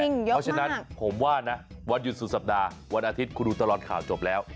เพราะฉะนั้นผมว่านะวันหยุดสุดสัปดาห์วันอาทิตย์คุณดูตลอดข่าวจบแล้ว